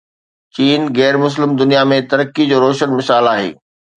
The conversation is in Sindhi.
چين غير مسلم دنيا ۾ ترقي جو روشن مثال آهي.